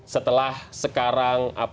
setelah sekarang apa yang sudah dilakukan